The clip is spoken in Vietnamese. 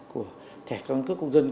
của thẻ căn cức công dân